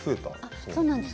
そうなんです。